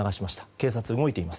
警察、動いています。